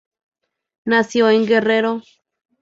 Nació en Guerrero.